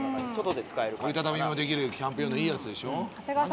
折り畳みにもできるキャンプ用のいいやつでしょ。